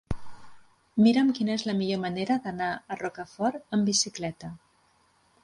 Mira'm quina és la millor manera d'anar a Rocafort amb bicicleta.